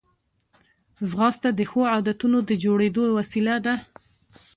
ځغاسته د ښو عادتونو د جوړېدو وسیله ده